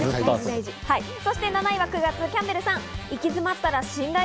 ７位は９月、キャンベルさん。